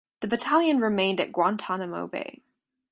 The battalion remained at Guantanamo Bay.